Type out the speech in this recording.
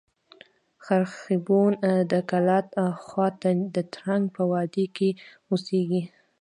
خرښبون د کلات خوا ته د ترنک په وادي کښي اوسېدئ.